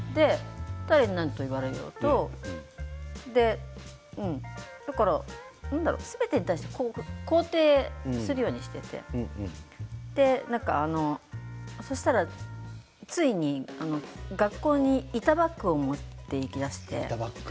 誰になんと言われようとだからすべてに対して肯定するようにしていてそうしたらついに学校に痛バッグを持って行きだして。